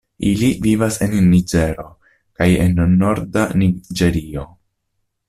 Ili vivas en Niĝero kaj en norda Niĝerio.